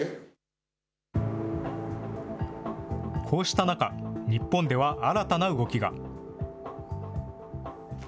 こうした中、日本では新たな動きが。